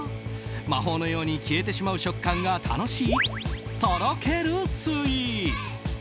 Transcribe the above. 魔法のように消えてしまう食感が楽しいとろけるスイーツ。